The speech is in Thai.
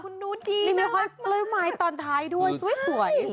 มันดูดีปลอดภัยมั้ยตอนท้ายด้วยสวยก็แล้วสุด